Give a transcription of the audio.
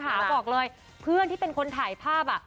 คุณผู้ชมขาบอกเลยเพื่อนที่เป็นคนถ่ายภาพอ่ะ